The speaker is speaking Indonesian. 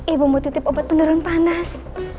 ibu mau titip obat penurun panas